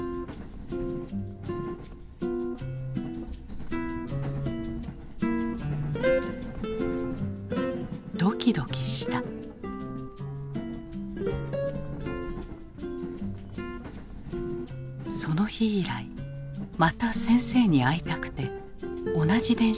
その日以来また先生に会いたくて同じ電車に乗るようにした。